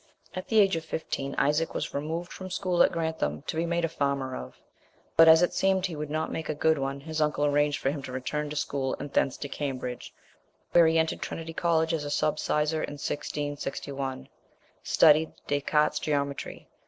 At the age of fifteen Isaac was removed from school at Grantham to be made a farmer of, but as it seemed he would not make a good one his uncle arranged for him to return to school and thence to Cambridge, where he entered Trinity College as a sub sizar in 1661. Studied Descartes's geometry.